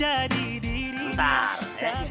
aduh ini kan berat